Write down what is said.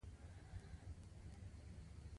دوی به ډیر کم حاصلات بیرته غلامانو ته ورکول.